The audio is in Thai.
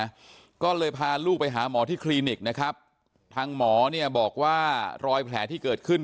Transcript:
นะฮะก็เลยพาลูกไปหาหมอที่คลินิกนะครับทางหมอเนี่ยบอกว่ารอยแผลที่เกิดขึ้น